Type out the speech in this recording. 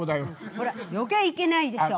ほら余計いけないでしょ？